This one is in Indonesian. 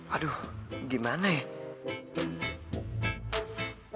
aduh gimana ya